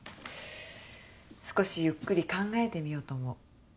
少しゆっくり考えてみようと思う。